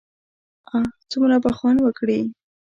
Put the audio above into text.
اه څومره به خوند وکړي.